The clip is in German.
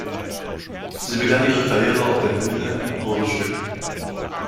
Sie begann ihre Karriere auf der Bühne in Urdu-Stücken.